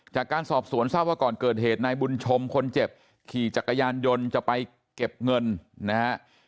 จากการสอบสวนทราบว่าก่อนเกิดเหตุนายบุญชมคนเจ็บขี่จักรยานยนต์จะไปเก็บเงินนะฮะ